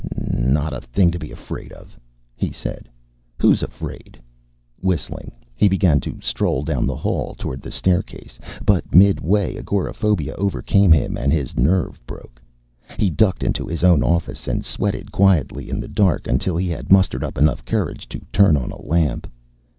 "N not a thing to be afraid of," he said. "Who's afraid?" Whistling, he began to stroll down the hall toward the staircase, but midway agoraphobia overcame him, and his nerve broke. He ducked into his own office and sweated quietly in the dark until he had mustered up enough courage to turn on a lamp.